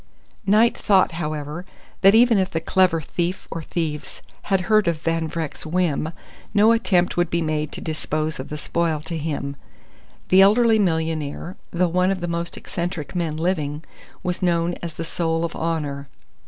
Knight thought, however, that even if the clever thief or thieves had heard of Van Vreck's whim, no attempt would be made to dispose of the spoil to him. The elderly millionaire, though one of the most eccentric men living, was known as the soul of honour.